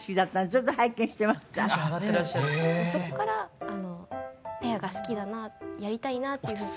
そこからペアが好きだなやりたいなっていうふうには。